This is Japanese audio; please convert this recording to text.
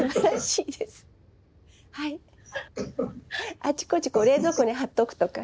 あちこち冷蔵庫にはっておくとかね。